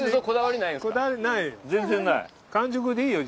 こだわりない。